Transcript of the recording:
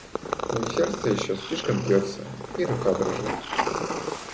Мое сердце еще слишком бьется, и рука дрожит.